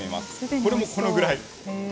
これもこのぐらい。